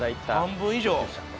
半分以上。